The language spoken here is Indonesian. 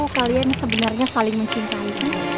kalian sebenarnya saling mencintai